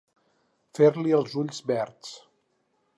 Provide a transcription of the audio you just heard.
Fer-li els ulls verds.